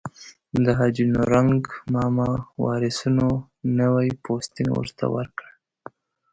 د حاجي نورنګ ماما وارثینو نوی پوستین ورته ورکړ.